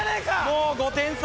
もう５点差！